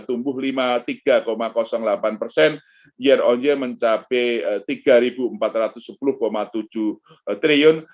tumbuh lima puluh tiga delapan persen year on year mencapai tiga empat ratus sepuluh tujuh triliun